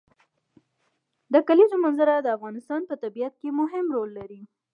د کلیزو منظره د افغانستان په طبیعت کې مهم رول لري.